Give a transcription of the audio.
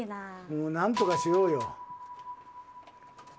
もうなんとかしようよ。